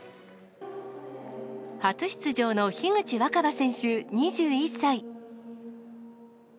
初出場の樋口新葉選手２１歳。